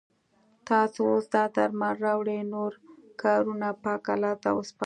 تاسو اوس دا درمل راوړئ نور کارونه پاک الله ته وسپاره.